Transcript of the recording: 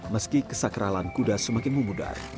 meski kesakralan kuda semakin memudar